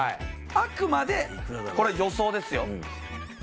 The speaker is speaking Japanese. あくまでこれは予想ですよ